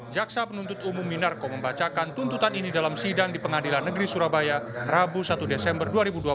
jaksa penuntut umum minarko membacakan tuntutan ini dalam sidang di pengadilan negeri surabaya rabu satu desember dua ribu dua puluh